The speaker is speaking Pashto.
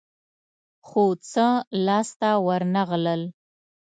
خو څه لاس ته ورنه غلل.